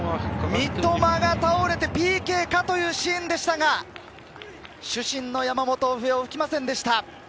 三笘が倒れてＰＫかというシーンでしたが、主審の山本、笛を吹きませんでした。